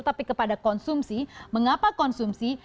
tapi kepada konsumsi mengapa konsumsi